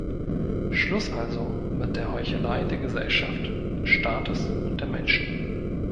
Schluss also mit der Heuchelei der Gesellschaft, des Staates und der Menschen.